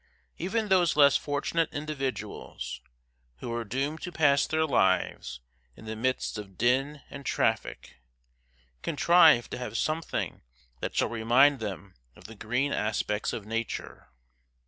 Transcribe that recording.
Even those less fortunate individuals, who are doomed to pass their lives in the midst of din and traffic, contrive to have something that shall remind them of the green aspect of nature.